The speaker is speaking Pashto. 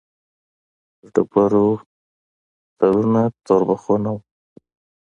د ډبرو سرونه توربخوني وو.